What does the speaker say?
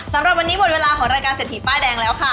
สำหรับวันนี้หมดเวลาของรายการเศรษฐีป้ายแดงแล้วค่ะ